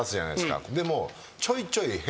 でも。